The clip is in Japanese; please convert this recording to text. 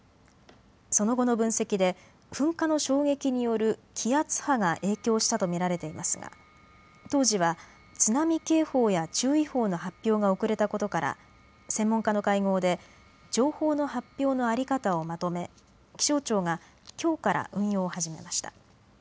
その後の分析で噴火の衝撃による気圧波が影響したと見られていますが当時は津波警報や注意報の発表が遅れたことから専門家の会合で情報の発表の在り方をまとめ気象庁がきょうから運用を始めました。